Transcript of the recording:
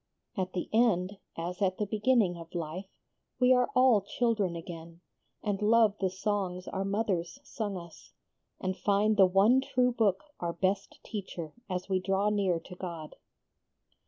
At the end as at the beginning of life we are all children again, and love the songs our mothers sung us, and find the one true Book our best teacher as we draw near to God."